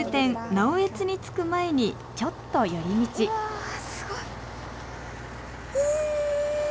直江津に着く前にちょっと寄り道えすごい！